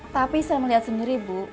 tapi saya melihat sendiri bu